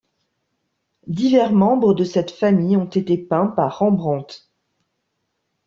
Divers membres de cette famille ont été peints par Rembrandt.